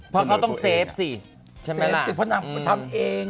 เพราะเขาต้องเซฟสิเพราะนั่งทำเอง